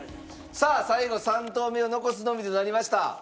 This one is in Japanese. さあ最後３投目を残すのみとなりました。